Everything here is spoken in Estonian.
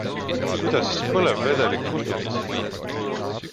Kuidas siis põlevvedelik kustutisse sai?